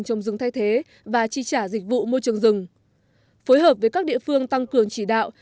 trồng rừng thay thế và chi trả dịch vụ môi trường rừng phối hợp với các địa phương tăng cường chỉ đạo